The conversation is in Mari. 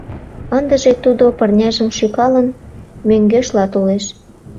Ындыже тудо, пырняжым шӱкалын, мӧҥгешла толеш.